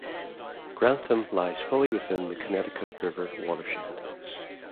Grantham lies fully within the Connecticut River watershed.